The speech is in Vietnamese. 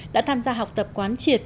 đã tham gia học tập quán triệt